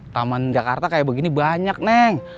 taman jakarta kayak begini banyak neng